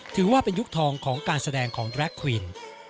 ถือว่าเป็นยุคทองของการแสดงของแร็คควิน